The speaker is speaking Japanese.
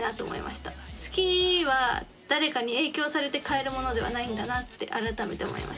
好きは誰かに影響されて変えるものではないんだなって改めて思いました。